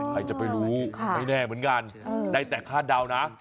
ใครจะไปรู้ไม่แน่เหมือนกันได้แต่คาดเดานะ